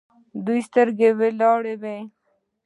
ډکې سترګې ولاړې